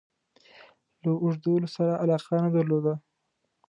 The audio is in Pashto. له اوږدولو سره علاقه نه درلوده.